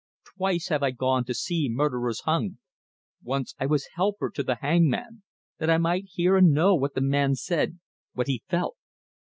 Twice have I go to see murderers hung. Once I was helper to the hangman, that I might hear and know what the man said, what he felt.